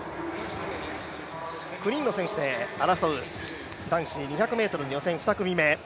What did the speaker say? ９人の選手で争う男子２００ｍの予選２組目。